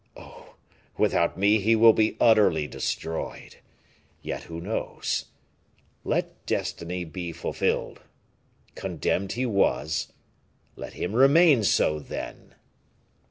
Oh! without me he will be utterly destroyed. Yet who knows let destiny be fulfilled condemned he was, let him remain so then!